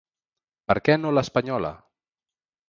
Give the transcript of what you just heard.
Per què no l’espanyola?